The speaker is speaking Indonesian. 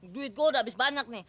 duit gue udah habis banyak nih